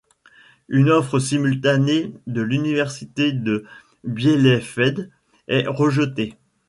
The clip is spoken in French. Une offre simultanée de l’Université de Bielefeld est rejetée.